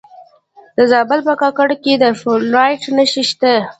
د زابل په کاکړ کې د فلورایټ نښې شته.